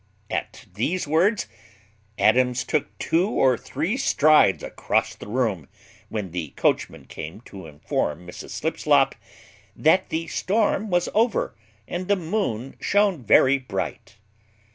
At these words Adams took two or three strides across the room, when the coachman came to inform Mrs Slipslop, "That the storm was over, and the moon shone very bright."